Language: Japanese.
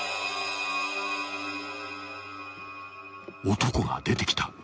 ［男が出てきた］